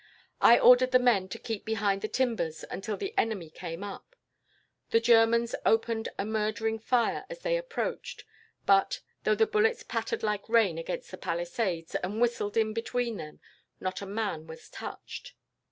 I ordered the men to keep behind the timbers until the enemy came up. The Germans opened a murdering fire as they approached, but, though the bullets pattered like rain against the palisades, and whistled in between them, not a man was touched.